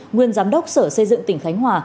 nguyên giám đốc sở xây dựng tỉnh khánh hòa